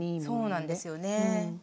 そうなんですよね。